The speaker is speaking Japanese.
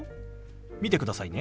見てくださいね。